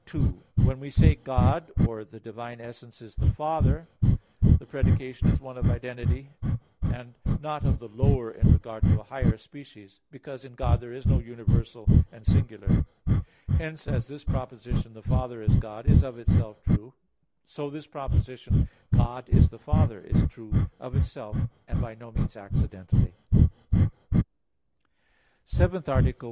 2: When we say, "God," or "the divine essence is the Father," the predication is one of identity, and not of the lower in regard to a higher species: because in God there is no universal and singular. Hence, as this proposition, "The Father is God" is of itself true, so this proposition "God is the Father" is true of itself, and by no means accidentally. _______________________ SEVENTH ARTICLE [I, Q.